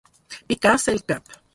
Picar-se el cap.